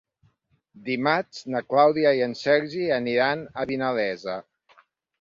Dimarts na Clàudia i en Sergi aniran a Vinalesa.